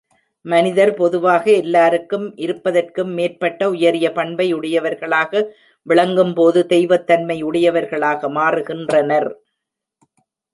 மனிதர் பொதுவாக எல்லாருக்கும் இருப்பதற்கும் மேற்பட்ட உயரிய பண்பை உடையவர்களாக விளங்கும்போது தெய்வத்தன்மை உடையவர்களாக மாறுகின்றனர்.